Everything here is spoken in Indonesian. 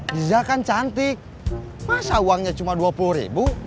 diza kan cantik masa uangnya cuma dua puluh ribu